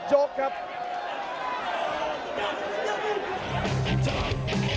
หมดโยกครับ